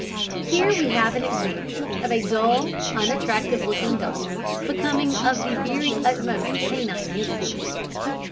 Here we have an example of a dull, unattractive looking dog becoming of the very utmost canine usefulness.